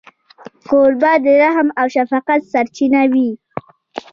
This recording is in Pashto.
کوربه د رحم او شفقت سرچینه وي.